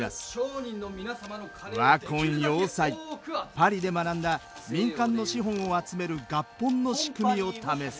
パリで学んだ民間の資本を集める合本の仕組みを試す。